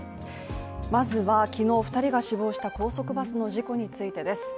まずは昨日、２人が死亡した高速バスの事故についてです。